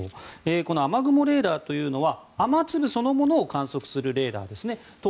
この雨雲レーダーというのは雨粒そのものを観測するレーダーです。